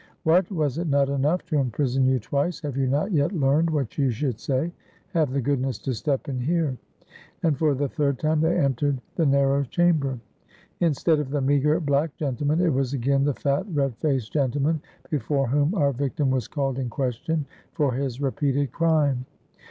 "What! was it not enough to imprison you twice? Have you not yet learned what you should say? Have the goodness to step in here." And for the third time they entered the narrow cham ber. Instead of the meager, black gentleman, it was again the fat, red faced gentleman before whom our victim was called in question for his repeated crime.